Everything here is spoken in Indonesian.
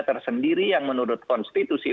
tersendiri yang menurut konstitusi